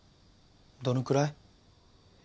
どのくらい？